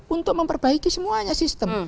untuk memperbaiki semuanya sistem